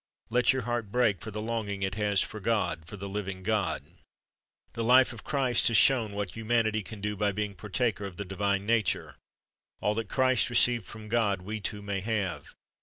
Let your heart break for the longing it has for God, for the living God. The life of Christ has shown what humanity can do by being partaker of the divine nature. All that Christ received from God we too may have.